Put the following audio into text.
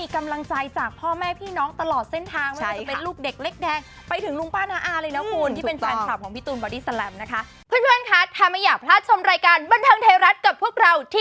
ถ้าจะตามในอินซาแกรมนะคะ